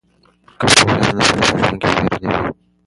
که پوهه وي نو په ژوند کې ویر نه وي.